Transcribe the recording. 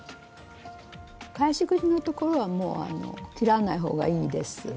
返し口のところはもう切らない方がいいです。